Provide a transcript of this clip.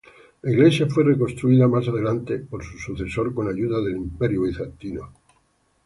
La iglesia fue reconstruida más adelante por su sucesor con ayuda del Imperio Bizantino.